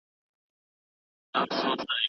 د بیکاري کچه د دولت پالیسي اغیزمنوي.